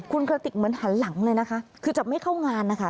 คุณกระติกเหมือนหันหลังเลยนะคะคือจะไม่เข้างานนะคะ